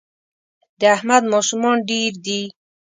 د احمد ماشومان ډېر دي